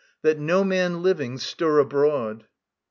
That no man living stir abroad.